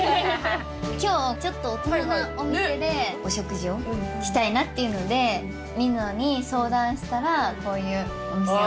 今日ちょっと大人なお店でお食事をしたいなっていうのでみのに相談したらこういうお店を。